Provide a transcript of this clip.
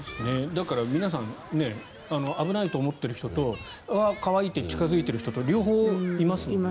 だから皆さん危ないと思っている人とうわ、可愛いって近付いている人と両方いますもんね。